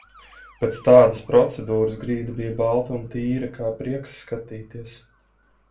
Pēc tādas procedūras grīda bija balta un tīra kā prieks skatīties.